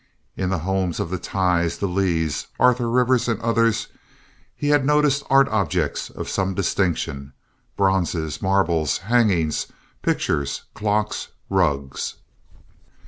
In the homes of the Tighes, the Leighs, Arthur Rivers, and others, he had noticed art objects of some distinction—bronzes, marbles, hangings, pictures, clocks, rugs.